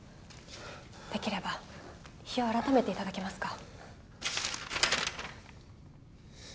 できれば日を改めて頂けますか？